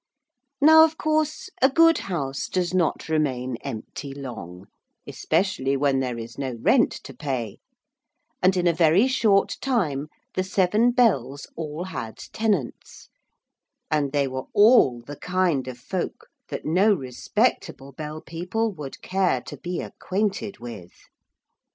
Now of course a good house does not remain empty long, especially when there is no rent to pay, and in a very short time the seven bells all had tenants, and they were all the kind of folk that no respectable Bell people would care to be acquainted with.